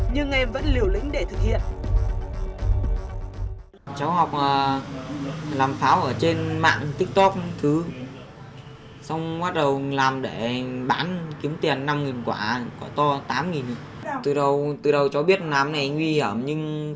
nhưng em vẫn liều lĩnh để thực hiện